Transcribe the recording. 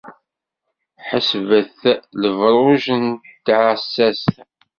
Ḥesbet lebṛuǧ n tiɛessast.